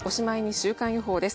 週間予報です。